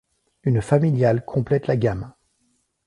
Une familiale complète la gamme.